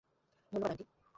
ধন্যবাদ, আন্টি।